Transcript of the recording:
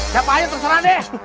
siapa aja terserah deh